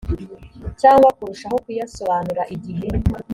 cyangwa kurushaho kuyasobanura igihe